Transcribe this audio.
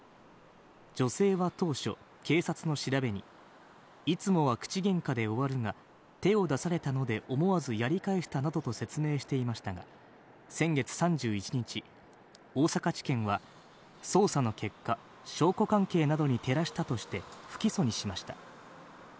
女性は当初、警察の調べに、いつもは口げんかで終わるが、手を出されたので思わずやり返したなどと説明していましたが、先月３１日、大阪地検は捜査の結果、証拠関係などに照らしたとして不起訴にしました。